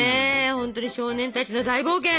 ほんとに少年たちの大冒険。